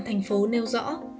thành phố nêu rõ